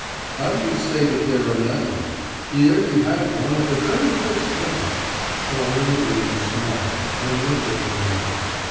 'How do you say that there are none then? Here you have one at the very first turn.' All in the room smiled and looked at one another.